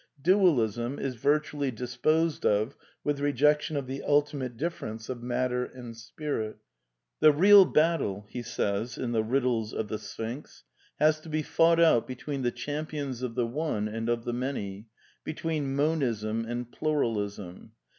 Dualism is " vir tually disposed of with rejection of the ultimate difference of Matter and Spirit.") ^^ The real battle has to be fought out between the champions of the One and of the Many, between Monism and Pluralism.